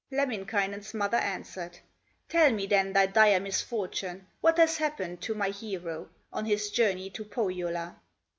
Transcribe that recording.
Lemminkainen's mother answered: "Tell me then thy dire misfortune, What has happened to my hero, On his journey to Pohyola?